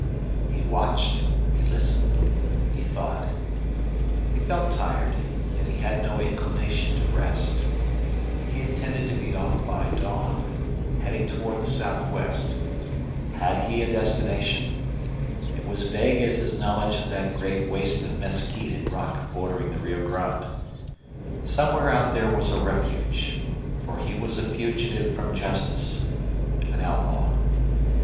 He watched, he listened, he thought. He felt tired, yet had no inclination to rest. He intended to be off by dawn, heading toward the southwest. Had he a destination? It was vague as his knowledge of that great waste of mesquite and rock bordering the Rio Grande. Somewhere out there was a refuge. For he was a fugitive from justice, an outlaw.